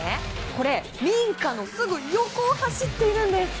これ民家のすぐ横を走っているんです。